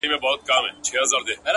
• چي د ظلم په پیسو به دي زړه ښاد وي,